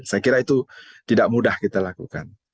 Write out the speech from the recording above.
saya kira itu tidak mudah kita lakukan